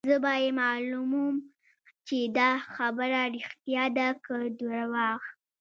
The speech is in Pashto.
زه به يې معلوموم چې دا خبره ريښتیا ده که درواغ.